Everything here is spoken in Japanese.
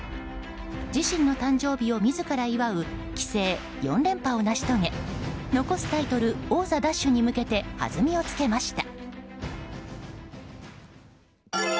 自身の誕生日を自ら祝う棋聖４連覇を成し遂げ残すタイトル、王座奪取に向け弾みをつけました。